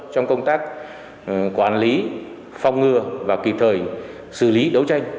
trong công tác quản lý phòng ngừa và kịp thời xử lý đấu tranh